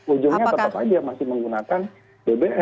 ujungnya tetap saja masih menggunakan bbm